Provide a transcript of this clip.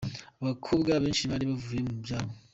Abakobwa benshi bari bavuye mu byabo.